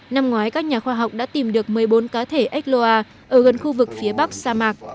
năm ngoái các nhà khoa học đã tìm được một mươi bốn cá thể ếch loa ở gần khu vực phía bắc sa mạc